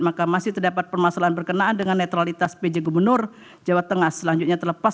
maka masih terdapat permasalahan berkenaan dengan netralitas pj gubernur jawa tengah selanjutnya terlepas